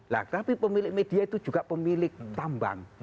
nah tapi pemilik media itu juga pemilik tambang